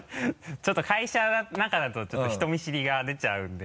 ちょっと会社の中だと人見知りが出ちゃうんで。